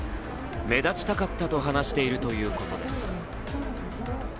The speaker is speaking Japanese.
目立ちたかったと話しているということです。